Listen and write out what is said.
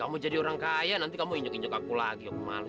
kamu jadi orang kaya nanti kamu injuk injuk aku lagi aku malu